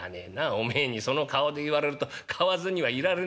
おめえにその顔で言われると買わずにはいられねえやほんとに。